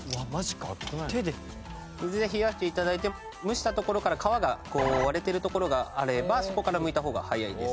水で冷やして頂いて蒸したところから皮が割れてる所があればそこからむいた方が早いです。